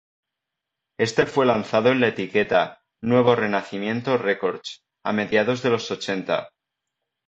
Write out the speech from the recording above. Este fue lanzado en la etiqueta "Nuevo Renacimiento Records" a mediados de los ochenta.